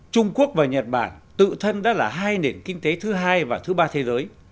trung quốc và nhật bản tự thân đã là hai nền kinh tế thứ hai và thứ ba thế giới